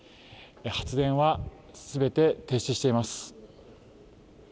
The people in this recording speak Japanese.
発電はすべて停止しています。